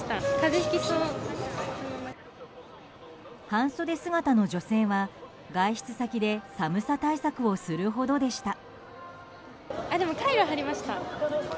半袖姿の女性は外出先で寒さ対策をするほどでした。